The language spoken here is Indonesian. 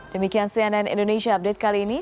demikian cnn indonesia update kali ini